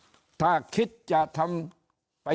ถ้าท่านผู้ชมติดตามข่าวสาร